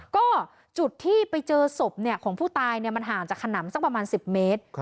ก็จุดที่ไปเจอศพของผู้ตายมันห่างจากขนำสักประมาณ๑๐เมตร